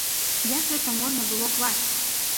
Як гэта можна было класці?